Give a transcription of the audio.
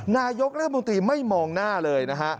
นายกรัฐมนตรีไม่มองหน้าเลยนะฮะ